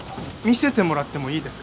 見せてもらってもいいですか？